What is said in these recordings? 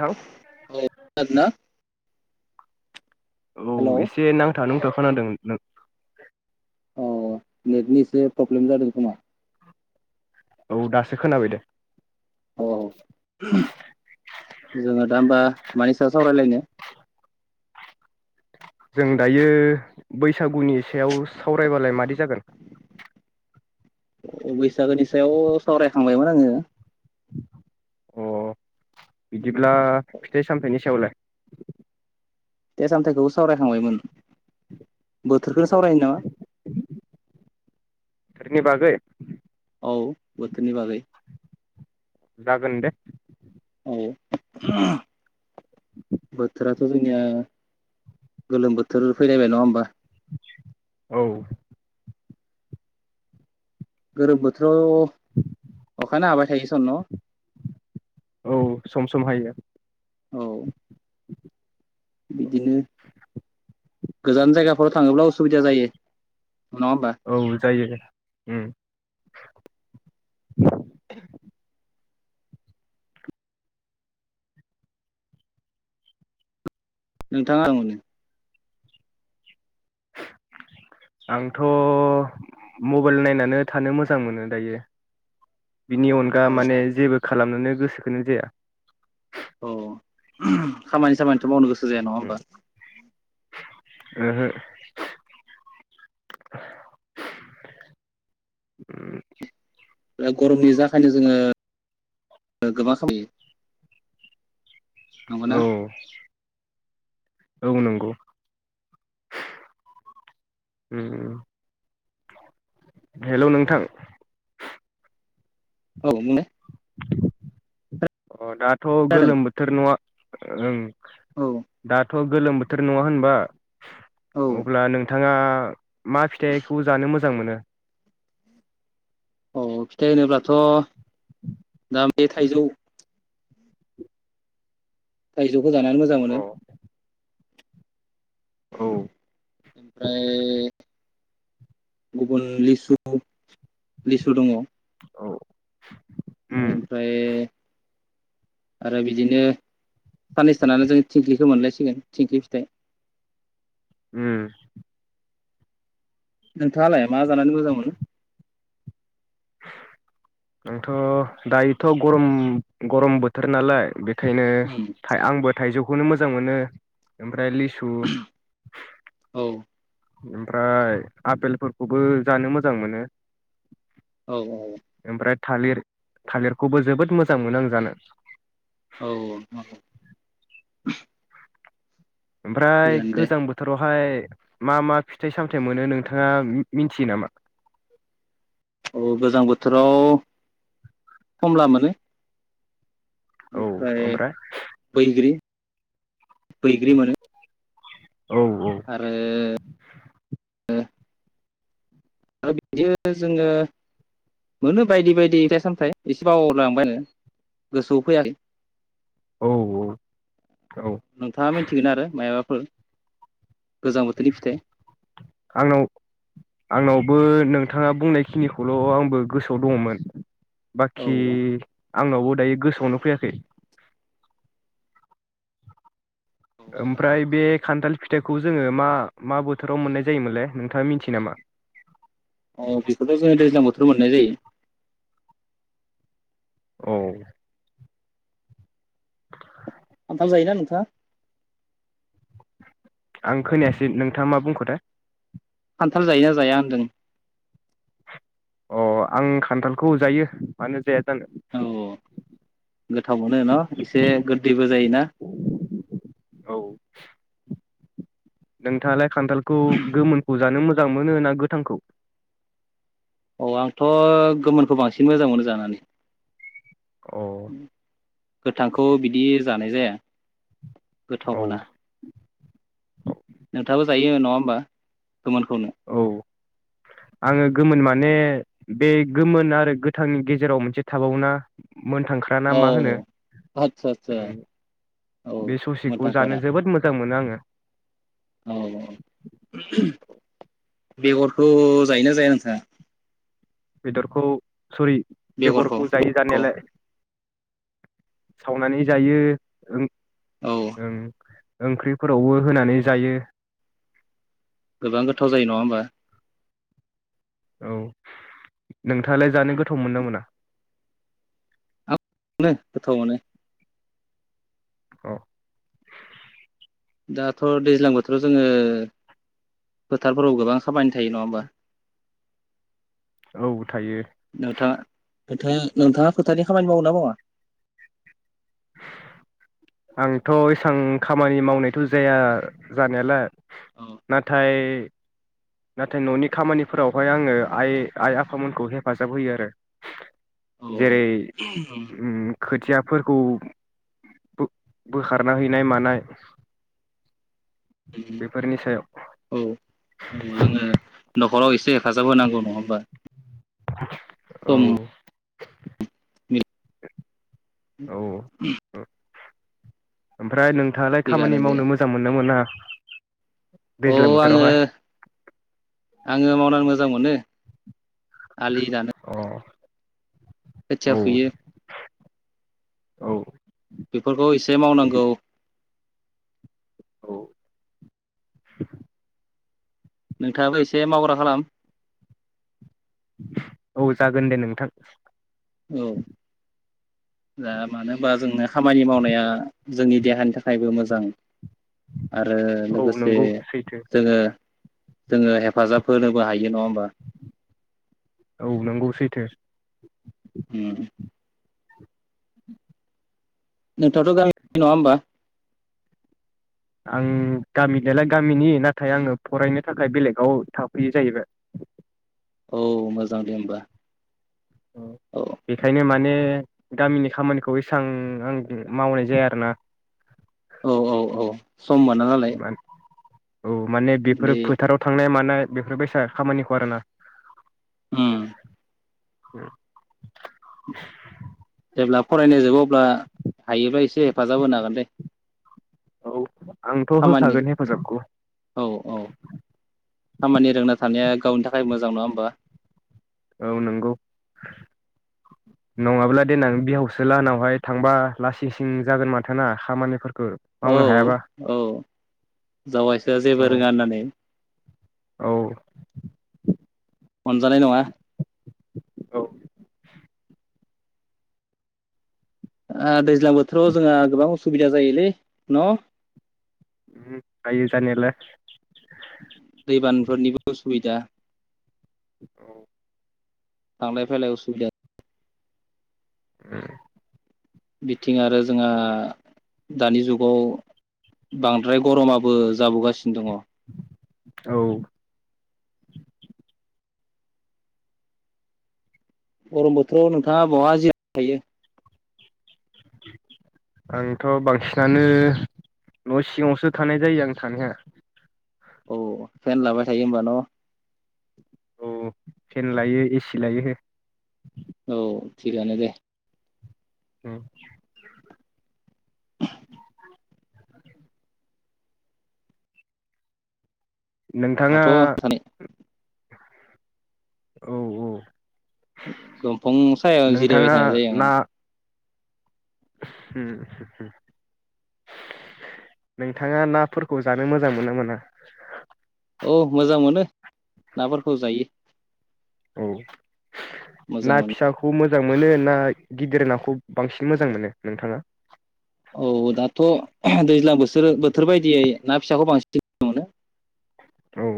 थां खोनादोंना औ हेलौ एसे नांथा नुंथा खोना खोनदों नों अ नेटनि एसे प्रब्लेम जादों खोमा औ दासो खोनाबाय दे औ जोङो दा होमबा मानि सायाव सावरायलायनो? जों दायो बैसागुनि सायाव सावरायबालाय मादि जागोन? अ बैसागोनि सायाव सावरायखांबायमोन आङो। अ बिदिब्ला फिथाइ-सामथायाइनि सायावलाय अ फिथाय-सामथायाइखौबो सावरायखांबायमोन बोथोरखौनो बोथोरनि सावरायनो नामा नि बागै औ बोथोरनि बागै जागोन दे औ बोथोराथ' जोंनिया गोलोम बोथोर फैलायबाय नङा होमबा। औ गोलोम बोथोराव अखानो हाबाय थायो सन न'? औ सम सम हायो औ [inaudible] बिदिनो गोजान जायगाफोराव थाङोब्ला उसुबिदा जायो नङा होमबा औ जायो ओम [inaudible] नोंथाङा [unintelligible] आंथ' मबाइल नायनानै थानो मोजां मोनो दायो बिनि अनगा औ माने जेबो खालामनोनो गोसो बेखौनो जाया अ' खामानि खामानिथ' मावनो गोसो जाया नङा होनबा ओहो [unintelligible] उम गरमनि जाखायनो जोङो गोबां खामायो नंगौना औ औ नोंगौ उम उम हेलौ नोंथां औ [unintelligible] अ दा थ' खोनादों गोलोम बोथोर नङा ओं औ दाथ' गोलोम बोथोर नङा होनबा औ अब्ला नोंथा थाङा मा फिथाइखौ जानो मोजां मोनो? [inaudible] अ फिथाइ होनोब्लाथ' थाम बे थाइजौ थाइजौखौ जानानै मोजां मोनो। अ औ ओमफ्राय गुबुन लिसु लिसु दङ। औ उम ओमफ्राय आरो बिदिनो साननैसो थानानै जों थिंख्लिखौ मोनलायसिगोन थिंख्लि फिथाइ। उम नोंथाङालाय मा जानानै मोजां मोनो? आंथ' दायोथ' गरम गरम बोथोर नालाय बे खायनो उम आंबो थाइजौ खौनो मोजां मोनो ओमफ्राय लिस सु औ ओमफ्राय आपेलफोरखौबो जानो मोजां मोनो। औ औ ओमफ्राय थालिर थालिरखौबो जोबोद मोजां मोनो आं जानो। औ औ ओमफ्राय थिगानो दे गोजां बोथोराव फाय मा मा फिथाइ सामथाइ मोनो नोंथाङा मिथियो नामा औ गोजां बोथोराव खमला मोनो। औ बेनिफ्राय ओमफ्राय बैग्रि बैग्रि मोनो औ आरो आरो बिदि [inaudible] जोङो मोनो बायदि बायदि फिथाइ सामथाइ [inaudible] एसे बावलांबायानो गोसोआव फैयाखै औ औ नोंथाङा मिथिगोना आरो मा [unintelligible] गोजां बोथोरनि फिथाइ बो नोंथाङा बुंनायखिनिखौल' आंबो गोसोआव दङमोन। औ बाखि आं [unintelligible] बो दायो गोसोआवनो फैयाखै औ ओमफ्राय बे खान्थाल फिथाइखौ जोङो मा मा बोथोराव मोननाय जायोमोनलै नोंथाङा मिथियो नामा औ बेखौथ' जोङो दैज्लां बोथोराव मोननाय जायो औ खान्थाल जायोना नोंथाङा आं खोनायासै नोंथाङा मा बुंखोथाय खान्थाल जायोना जाया होनदों अ आं खान्थालखौ जायो मानो जाया जानो औ गोथाव मोनो न' एसे गोदैबो जायोना औ नोंथाङालाय खान्थालखौ गोमोन हजानो मोजां मोनो ना गोथांखौ औ आंथ' गोमोनखौ बांसिन मोजां मोनो जानानै अ गोथांखौ बिदि जानाय जाया गोथाव औ मोना नोंथाबो जायो नङा होमबा? गोमोनखौनो औ आङो गोमोन माने बे गोमोन आरो गोथांनि गेजेराव मोनसे थाबावोना। मोनथांख्रा ना मा होनो औ आतसा आस्सा बे ससेखौ जानो जोबोद मोजां मोनो आंङो [unintelligible] औ औ बेगरख' जायोना जाया नोंथाङा बेदरखौ सरि बेगरखौ जायो जानायालाय सावनानै जायो ओं औ ओं ओंख्रिफोरावबो होनानै जायो गोबां गोथाव जायो नङा होमबा औ नोंथाङालाय जानो गोथाव मोनो ना मोना नो गोथाव मोनो औ दाथ' दैज्लां बोथोराव जोङो फोथारफोराव गोबां खामानि थायो नङा होमबा औ थायो नोंथाङा नोंथाङा नोंथाङा खोथानि खामानि मावो ना मावा आंथ' एसां खामानि मावनायथ' जाया जानायालाय औ नाथाय [inaudible] नाथाय न'नि खामानिफोरावहाय आङो आइ आइ आफामोनखौ हेफाजाब होयो आरो औ जेरै उम खोथिया फोरखौ ब- बोखारना हैनाय मानाय बेफोरनि सायाव उ औ [unintelligible] ङो न'खराव एसे हेफाजाब होनांगौ नङा होमबा [inaudible] ओम औ [unintelligible] ओमफ्राय नों नोंथाङालाय खामानि दे मावनो मोजां मोनोना मोना औ दैज्लां आङो बोथोरावहाय आङो मावनानै मोजां मोनो आलि दानो अ औ खोथिया फुयो औ बेफोरखौ एसे मावनांगौ औ नोंथाङाबो एसे मावग्रा खालाम औ जागोन दे नोंथां औ दा मानो होनबा जोंनो खामानि मावनाया जोंनि देहानि थाखायबो मोजां। आरो औ लोगोसे नंगौ सैथो जोङो जोङो हेफाजाब होनोबो हायो। नङा होमबा औ नंगौ सैथो [inaudible] उम [inaudible] नोंथाङाथ' गामिनि नङा होमबा आं गामिनियालाय गामिनि नाथाय आङो फरायनो थाखाय बेलेगाव थाफैयो जाहैबाय। औ मोजां दे होमबा ओ औ बेखायनो माने ओ गामिनि खामानिखौ एसेबां आं मावनाय जाया आरोना औ औ औ सम मोना नालाय औ माने बेफोरो बे फोथाराव थांनाय मानाय बेफोरबायसा खामानिखौ आरोना ओम उम जेब्ला फरायनाय जबो अब्ला हायोब्ला एसे हेफाजाब होनो हागोन दे औ आंथ' खामानि होखागोन हेफाजाबखौ औ औ खामानि रोंना थानाया गावनि थाखाय मोजां नङा होमबा? औ नंगौ नङाब्ला देनां बिहावसो लाहानावहाय थांबा लासिं सिं जागोन माथो ना खामानि औ औ जावायसोआ औ जेबो रोङा होननानै औ अनजानाय नङा औ [unintelligible] दै बोथोराव जोंहा गोबां असिबिदा जायोलै न' उम जायो जानायालाय दैबानफोरनिबो असुबिदा औ थांलाय फैलाय असुबिदा उम बिथिं आरो जोंहा दानि जुगाव बांद्राय गरमाबो जाबोगासिनो दङ औ गरम बोथोराव नोंथाङा बहा जिर [unintelligible] थायो। आंथ' बांसिनानो न' सिङावसो थानाय जायो आं थानाया औ फेन लाबाय थायो होमबा न'? औ फेन लायो एसि लायो हो औ थिगानो दे। [inaudible] [inaudible] नोंथाङा दाथ' थानाय औ औ दंफां सायाव जिरायबाय नोंथाङा थानाय जायो ना आङो नोंथाङा नाफोरखौ जानो मोजां मोना मोना औ मोजां मोनो नाफोरखौ जायो औ मोजां ना मोनो फिसाखौ मो मोजां मोनो ना गिदिर नाखौ बांसिन मोजां मोनो नोंथाङा औ दाथ' [unintelligible] दैज्लां बोसोर बोथोर बायदियै ना फिसाखौ बांसिन गोथाव मोनो औ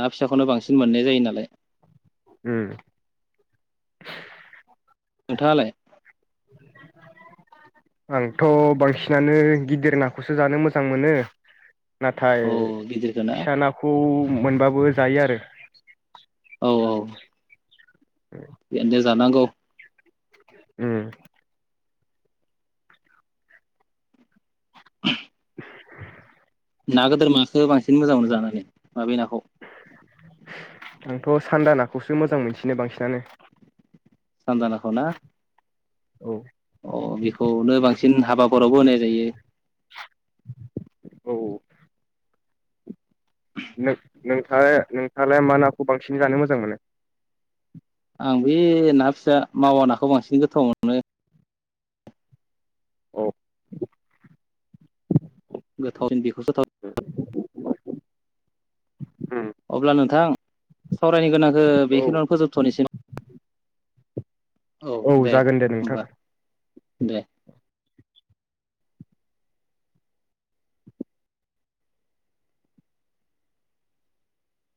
ना फिसाखौनो बांसिन मोननाय जायो नालाय उम नोंथाङालाय आंथ' बांसिनानो गिदिर नाखौसो जानो मोजां मोनो। नाथाय औ गिदिरखौ ना फिसा नाखौ मोनबाबो जायो आरो औ औ बेनो जानांगौ। उम [unintelligible] [unintelligible] ना गोदोर माखो बांसिन मोजां मोननो जानानै माबे नाखौ? आंथ' सानदा नाखौसो मोजां मोनसिनो बांसिनानो सानदा नाखौ ना? औ अ बेखौनो बांसिन हाबाफोरावबो होनाय जायो। औ नों-नोंथाङा-नोंथाङालाय मा नाखौ बांसिन जानो मोजां मोनो? आं बे ना फिसा मावा नाखौ बांसिन गोथाव मोनो। औ [unintelligible] गोथाव दिन बिखौ [unintelligible] जाथाव उम अब्ला नोंथां सावरायनो गोनांखौ औ बेखिल'नो फोजोबथ'नोसै। औ जागोन दे नोंथां दे